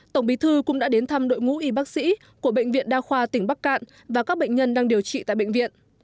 tổng bí thư cũng đã đến thăm đội ngũ y bác sĩ của bệnh viện đa khoa tỉnh bắc cạn và các bệnh nhân đang điều trị tại bệnh viện